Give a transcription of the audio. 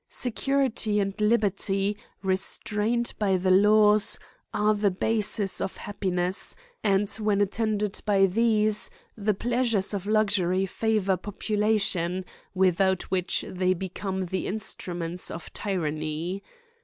Security and liberty, restrained by the laws, are the basis of happiness, and when attended by these, the pleasures of luxury favour population, without which they become the in struments of tyranny.